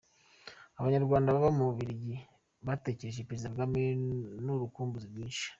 Abanyarwanda baba mu Bubuligi bategereje Perezida Kagame n’urukumbuzi rwinshi.